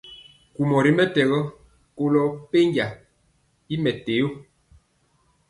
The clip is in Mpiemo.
Kumɔ ri mɛtɛgɔ kolo penja y mi téo.